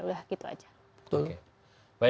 udah gitu aja